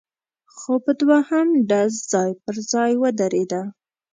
خو په دوهم ډز ځای پر ځای ودرېده،